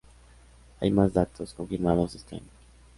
Hay más datos, confirmados este año.